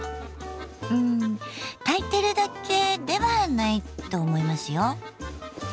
うん炊いてるだけではないと思いますよ。